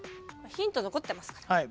ヒント残ってますから。